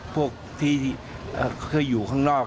พวกที่เคยอยู่ข้างนอก